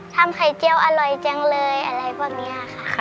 ทำไข่เจียวอร่อยจังเลยอะไรพวกนี้ค่ะ